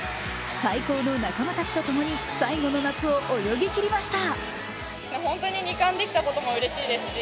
最高の仲間たちと共に最後の夏を泳ぎきりました。